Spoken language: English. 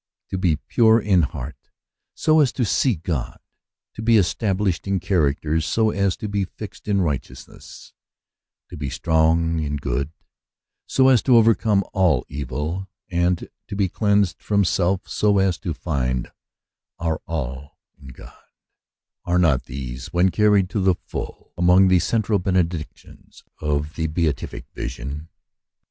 To be pure in heart so as to see God, to be established in character so as to be fixed in righteousness, to be strong in good so as to overcome all evil, and to be cleansed from self so as to find our all in God; are not these, when carried to the full, among the central benedictions of the beatific vision